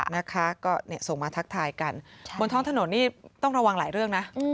นะคะก็ส่งมาทักทายกันบนท้องถนนนี่ต้องระวังหลายเรื่องนะ